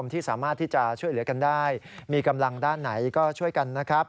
ที่สามารถที่จะช่วยเหลือกันได้มีกำลังด้านไหนก็ช่วยกันนะครับ